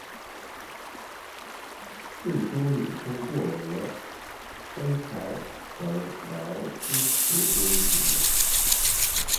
郑周永通过峨山财团来支持公益事业。